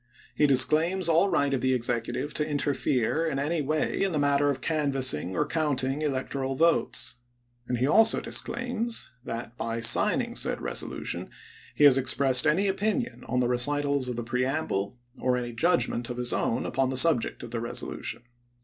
He disclaims all right of the Executive to interfere in any way in the matter of canvassing or counting electoral Message, votes ; and he also disclaims that, by signing said resolu Feb ms!865' tion, he has expressed any opinion on the recitals of the ^eS^iks preamble, or any judgment of his own upon the subject p fii. of the resolution.